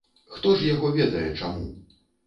Хто ж яго ведае чаму.